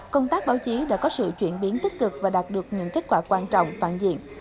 công tác báo chí đã có sự chuyển biến tích cực và đạt được những kết quả quan trọng toàn diện